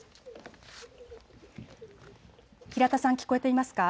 平田さん、聞こえますか。